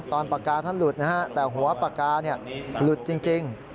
ตอนปากกาท่านหลุดนะฮะแต่หัวปากกาเนี่ยหลุดจริงจริง